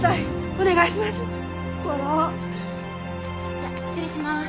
じゃあ失礼します。